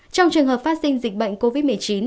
trong trường hợp phát sinh dịch bệnh covid một mươi chín